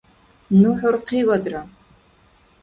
Ну ХӀурхъивадра